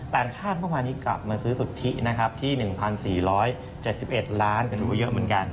ต่างชาติเมื่อวานนี้กลับมาซื้อสุทธินะครับที่๑๔๗๑ล้านก็ดูเยอะเหมือนกัน